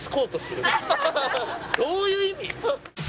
どういう意味！？